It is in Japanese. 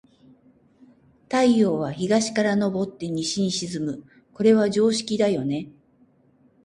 太陽は、東から昇って西に沈む。これは常識だよね。